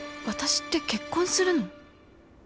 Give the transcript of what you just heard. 私って結婚するの？